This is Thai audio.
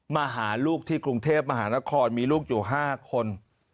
มาหาลูกที่กรุงเทพมหานครมีลูกอยู่๕คน